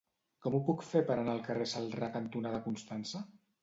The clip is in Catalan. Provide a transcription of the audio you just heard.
Com ho puc fer per anar al carrer Celrà cantonada Constança?